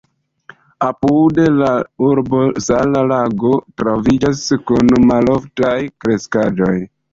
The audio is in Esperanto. Apud la urbo sala lago troviĝas kun maloftaj kreskaĵoj.